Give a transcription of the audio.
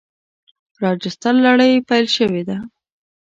راجستر لړۍ پیل شوې ده.